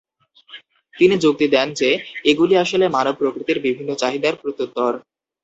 তিনি যুক্তি দেন যে এগুলি আসলে মানব প্রকৃতির বিভিন্ন চাহিদার প্রত্যুত্তর।